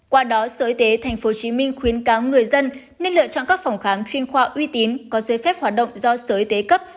qua đó sở y tế tp hcm khuyến cáo người dân nên lựa chọn các phòng khám chuyên khoa uy tín có dây phép hoạt động do sở y tế cấp